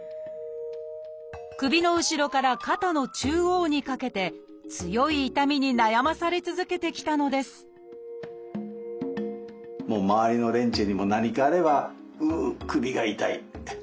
首の後ろから肩の中央にかけて強い痛みに悩まされ続けてきたのです周りの連中にも何かあれば「うう首が痛い。